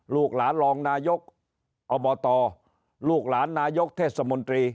ลูกหลานรองนายกอบตลูกหลานนายกเทศมนตรี